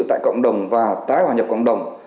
tại cộng đồng và tái hoàn nhập cộng đồng